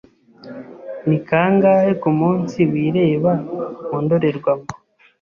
Ni kangahe kumunsi wireba mu ndorerwamo?